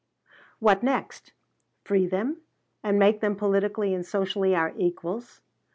What next? Free them, and make them politically and socially our equals?